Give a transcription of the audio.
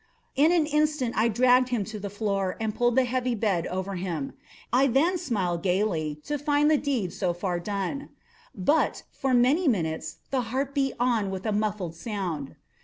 In an instant I dragged him to the floor, and pulled the heavy bed over him. I then smiled gaily, to find the deed so far done. But, for many minutes, the heart beat on with a muffled sound.